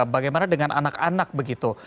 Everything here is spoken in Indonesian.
bagaimana dengan anak anak begitu